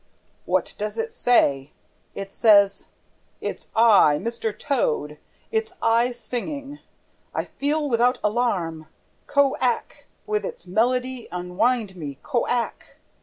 What does it say? It says, 'It's I, Mr. Toad, it's I singing! I FEEL WITHOUT ALARM CO ACK WITH ITS MELODY ENWIND ME CO ACK!'